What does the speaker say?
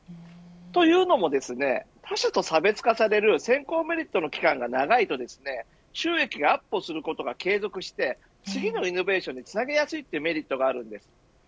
というのも他社と差別化される先行メリットの期間が長いと収益がアップをすることが継続して次のイノベーションにつなぎやすいメリットがあるんです。